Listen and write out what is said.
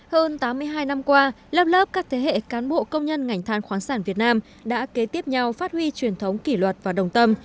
hơn tám mươi hai năm qua lớp lớp các thế hệ cán bộ công nhân ngành than khoáng sản việt nam đã kế tiếp nhau phát huy truyền thống kỷ luật và đồng tâm